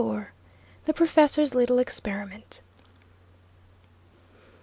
THE PROFESSOR'S LITTLE EXPERIMENT.